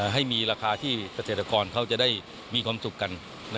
ให้มีราคาที่เกษตรกรเขาจะได้มีความสุขกัน